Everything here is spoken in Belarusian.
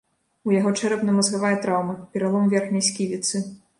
У яго чэрапна-мазгавая траўма, пералом верхняй сківіцы.